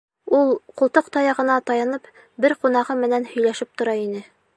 Ул, ҡултыҡ таяғына таянып, бер ҡунағы менән һөйләшеп тора ине.